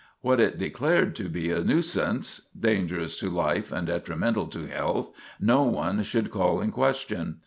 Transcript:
What it declared to be a nuisance dangerous to life and detrimental to health no one should call in question.